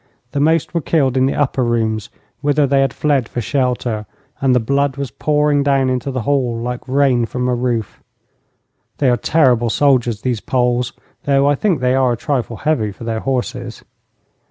The most were killed in the upper rooms, whither they had fled for shelter, and the blood was pouring down into the hall like rain from a roof. They are terrible soldiers, these Poles, though I think they are a trifle heavy for their horses.